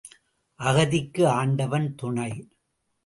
அகதிக்கு ஆண்டவன் துணை.